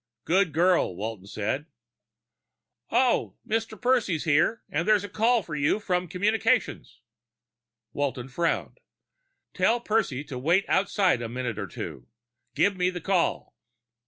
"Good girl," Walton said. "Oh, Mr. Percy's here. And there's a call for you from communications." Walton frowned. "Tell Percy to wait outside a minute or two. Give me the call."